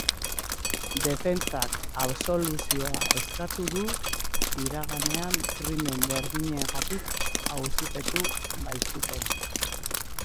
Defentsak absoluzioa eskatu du, iraganean krimen berdinengatik auzipetu baitzuten.